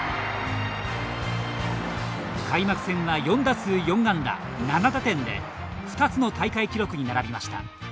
開幕戦は４打数４安打７打点で２つの大会記録に並びました。